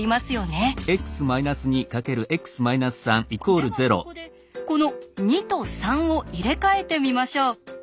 ではここでこの２と３を入れ替えてみましょう。